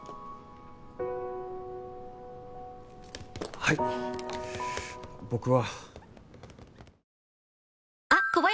はい僕は。